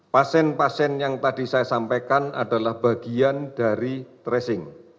pasien pasien yang tadi saya sampaikan adalah bagian dari tracing